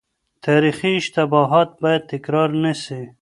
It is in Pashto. تاريخي اشتباهات بايد تکرار نه سي.